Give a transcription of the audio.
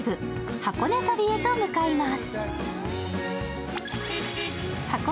箱根旅へと向かいます。